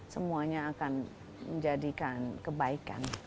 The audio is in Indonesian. semuanya akan menjadikan kebaikan